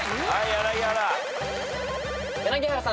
柳原さん